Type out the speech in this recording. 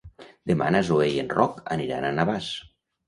Demà na Zoè i en Roc aniran a Navàs.